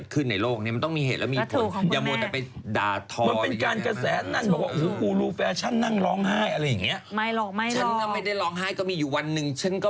ดาท้ออะไรอย่างนี้นะครับใช่ค่ะ